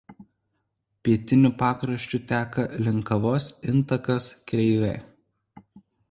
Pietiniu pakraščiu teka Linkavos intakas Kreivė.